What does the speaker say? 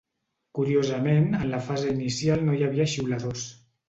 Curiosament en la fase inicial no hi havia xiuladors.